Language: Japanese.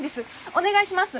お願いします！